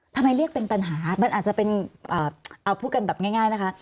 ทำไมเรียกเป็นปัญหามันอาจจะเป็นเอาพูดกันแบบง่ายนะคะ